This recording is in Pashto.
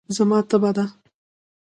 زما تبه ده.